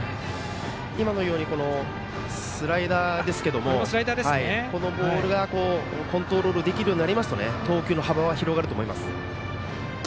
今のようにスライダーですがこのボールがコントロールできるようになりますと投球の幅が広がると思います。